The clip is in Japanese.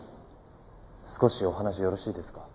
少しお話よろしいですか？